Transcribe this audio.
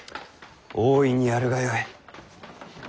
大いにやるがよい。